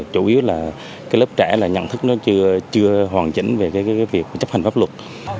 chủ yếu là cái lớp trẻ là nhận thức nó chưa hoàn chỉnh về cái việc chấp hành pháp luật